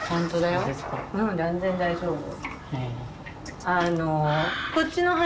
うん全然大丈夫。